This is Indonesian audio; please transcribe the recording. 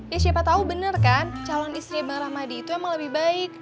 ya siapa tahu benar kan calon istri bang rahmadi itu emang lebih baik